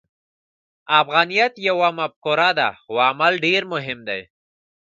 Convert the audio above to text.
افغانیت یوه مفکوره ده، خو عمل ډېر مهم دی.